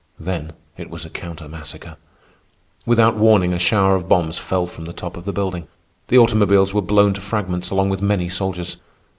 Then it was counter massacre. Without warning, a shower of bombs fell from the top of the building. The automobiles were blown to fragments, along with many soldiers.